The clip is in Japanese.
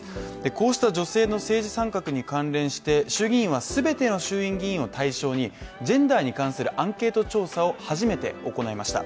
こうした女性の政治参画に関連して、衆議院は全ての衆院議員を対象に、全体に関するアンケート調査を初めて行いました。